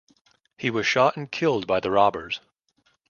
He was shot and killed by the robbers.